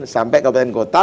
sampai kabupaten kota